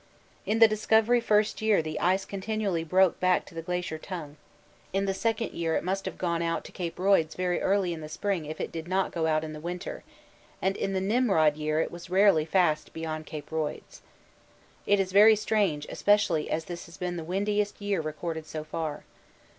In the Discovery first year the ice continually broke back to the Glacier Tongue: in the second year it must have gone out to C. Royds very early in the spring if it did not go out in the winter, and in the Nimrod year it was rarely fast beyond C. Royds. It is very strange, especially as this has been the windiest year recorded so far.